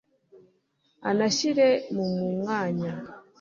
anashyirwa mu mwanya